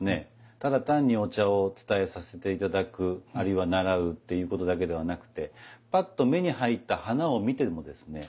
ただ単にお茶を伝えさせて頂くあるいは習うということだけではなくてぱっと目に入った花を見てもですね